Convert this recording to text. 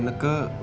banyak ali kenang